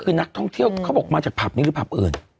คือนักท่องเที่ยวเขาบอกมาจากผับนี้หรือผับอื่น